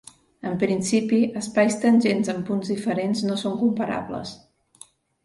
En principi, espais tangents en punts diferents no són comparables.